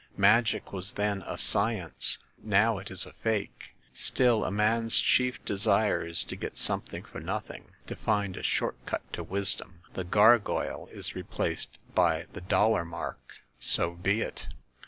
Magic was then a science, now it is a fake. Still, a man's chief desire is to get something for noth ing,‚ÄĒ to find a short cut to wisdom. The "gargoyle is replaced by the dollar mark. So be it!